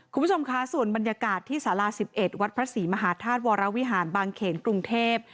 คุณผู้ชมคะส่วนบรรยากาศที่สารา๑๑วัดพระศรีมหาธาตุวรวิหารบางเขนกรุงเทพ